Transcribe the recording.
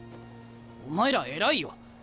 お前ら偉いよ。